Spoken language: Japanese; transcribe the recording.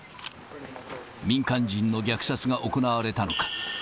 民間人の虐殺が行われたのか。